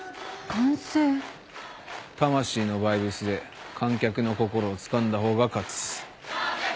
魂のバイブスで観客の心をつかんだ方が勝つ。